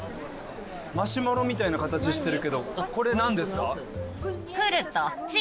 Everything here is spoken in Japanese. マシュマロみたいな形してるけどこれ何ですか？